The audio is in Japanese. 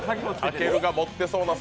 たけるが持ってそうな。